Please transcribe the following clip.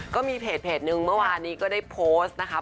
ก็มีเพจนึงเมื่อวานนี้ก็ได้โพสต์นะคะ